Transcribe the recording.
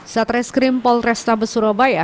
saat reskrim polresta besurabaya